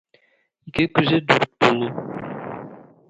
Ике күзе дүрт булу.